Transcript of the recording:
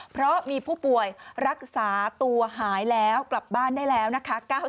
เพราะมีผู้ป่วยรักษาตัวหายแล้วกลับบ้านได้แล้วนะคะ